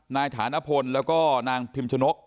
ฐานพลแล้วก็นางพิมชนก